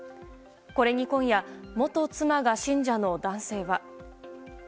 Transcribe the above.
これに今夜元妻が信者の男性は。